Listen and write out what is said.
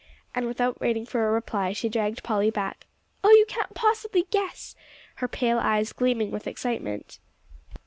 And without waiting for a reply, she dragged Polly back. "Oh, you can't possibly guess!" her pale eyes gleaming with excitement.